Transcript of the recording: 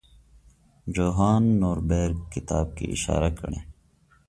جوهان نوربیرګ کتاب کې اشاره کړې.